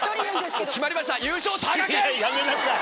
やめなさい。